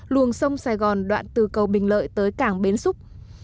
luồng sông sài gòn đoạn từ cầu bình lợi tới cảng bến xúc